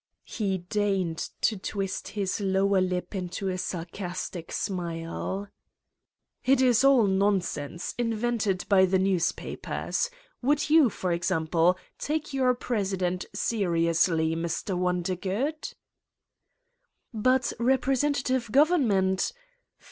" he deigned to twist his lower lip into a sarcastic smile. "It is all nonsense, invented by the newspapers. Would you, for example, take your president seriously, Mr. Wondergood?" "But representative government